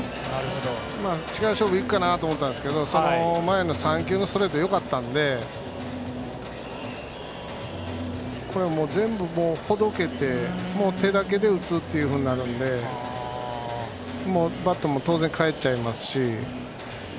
力勝負で行くかなと思ったんですけど前の３球のストレートがよかったので、全部ほどけて手だけで打つというふうになるのでバットも当然、返っちゃいますし。